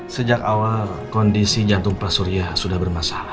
sejak awal kondisi jantung pak surya sudah bermasalah